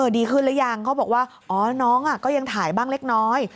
ดีขึ้นหรือยังเขาบอกว่าอ๋อน้องก็ยังถ่ายบ้างเล็กน้อย